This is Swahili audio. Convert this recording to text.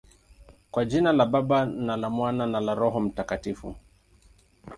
Kwa jina la Baba, na la Mwana, na la Roho Mtakatifu.